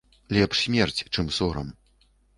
Лепш смерць чым сорам.